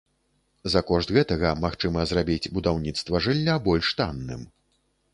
За кошт гэтага магчыма зрабіць будаўніцтва жылля больш танным.